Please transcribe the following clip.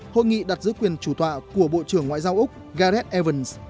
hội nghị đặt giữ quyền chủ tọa của bộ trưởng ngoại giao úc gareth ervens